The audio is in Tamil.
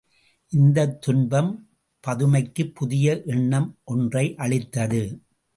இந்தத் துன்பம் பதுமைக்குப் புதிய எண்ணம் ஒன்றை அளித்தது.